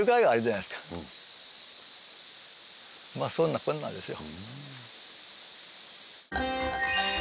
まあそんなこんなですよ。